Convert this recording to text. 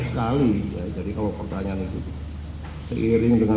seiring dengan bertambahnya alutsisa kita